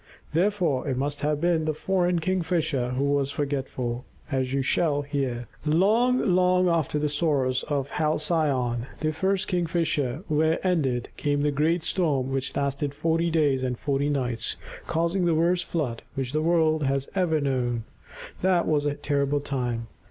Therefore it must have been the foreign Kingfisher who was forgetful, as you shall hear. Long, long after the sorrows of Halcyone, the first Kingfisher, were ended, came the great storm which lasted forty days and forty nights, causing the worst flood which the world has ever known. That was a terrible time.